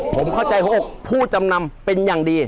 ผมเข้าใจหัวอกผู้จำนำเป็นอย่างดี